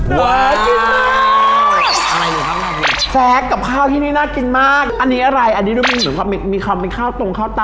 อร่อยเชียบแน่นอนครับรับรองว่าอาหารที่นี่อะครับอร่อยเชียบแน่นอนครับ